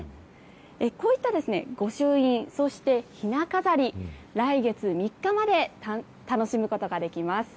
こういった御朱印、そしてひな飾り、来月３日まで楽しむことができます。